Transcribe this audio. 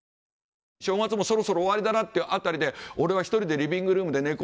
正月もそろそろ終わりだなっていう辺りで俺は一人でリビングルームで寝転んで本読んでた。